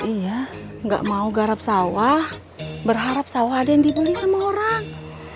iya nggak mau garap sawah berharap sawah ada yang dibeli sama orang